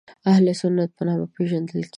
اهل سنت په نامه پېژندل کېږي.